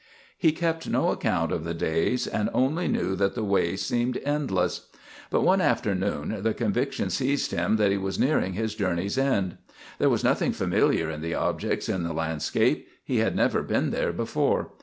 He kept no account of the days and only knew that the way seemed endless. But one afternoon the conviction seized him that he was nearing his journey's end. There was nothing familiar in the objects in the landscape; he had never been there before.